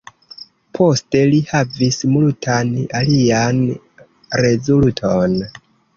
Poste li havis multan alian rezulton.